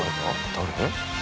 誰？